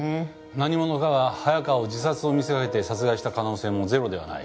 何者かが早川を自殺と見せかけて殺害した可能性もゼロではない。